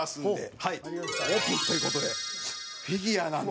はい、という事でフィギュアなんですが。